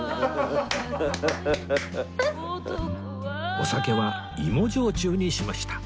お酒は芋焼酎にしました